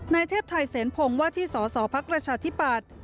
นายเทพไทยเสนพงศ์ว่าที่สสพักประชาธิปัตย์